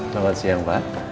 selamat siang pak